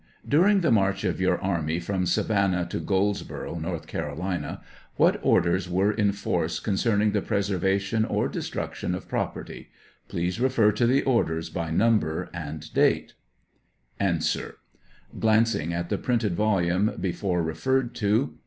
During the march of your army from Savannah to Goldsboro', North Carolina, what orders were in n?„n J°T%f°® ^^^ preservation or destruction of property? Please refer to the orders by number and 73 A. (Glancing at the printed volume before referred to.)